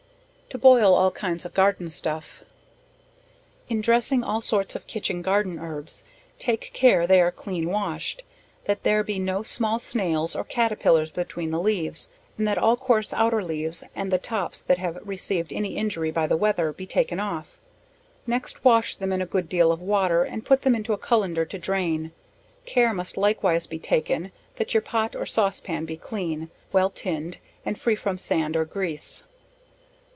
To boil all kinds of Garden Stuff. In dressing all sorts of kitchen garden herbs, take care they are clean washed; that there be no small snails, or caterpillars between the leaves; and that all coarse outer leaves, and the tops that have received any injury by the weather, be taken off; next wash them in a good deal of water, and put them into a cullender to drain, care must likewise be taken, that your pot or sauce pan be clean, well tinned, and free from sand, or grease.